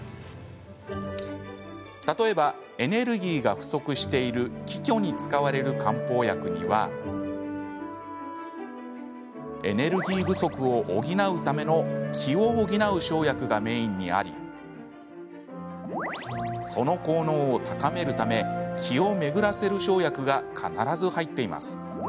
例えばエネルギーが不足している気虚に使われる漢方薬にはエネルギー不足を補うための気を補う生薬がメインにありその効能を高めるため気を巡らせる生薬が必ず入っています。